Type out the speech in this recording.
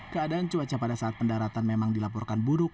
keadaan cuaca pada saat pendaratan memang dilaporkan buruk